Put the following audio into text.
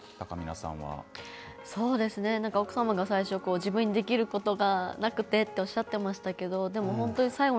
奥様が最初自分にできることがなくてとおっしゃってましたけどでも本当に最期